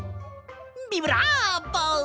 ビブラーボ！